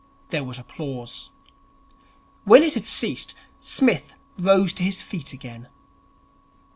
There was applause. When it had ceased, Psmith rose to his feet again.